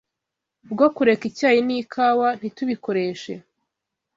bwo kureka icyayi n’ikawa, ntitubikoreshe